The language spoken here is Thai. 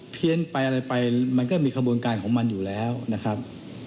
ี้ยนไปอะไรไปมันก็มีขบวนการของมันอยู่แล้วนะครับ